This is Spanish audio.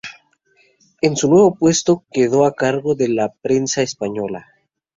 En su nuevo puesto quedó a cargo de la prensa española.